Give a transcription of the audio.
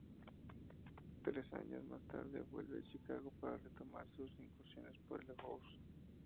Tres años más tarde vuelve a Chicago para retomar sus incursiones por el house.